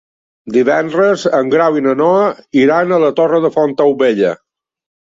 Divendres en Grau i na Noa iran a la Torre de Fontaubella.